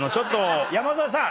山添さん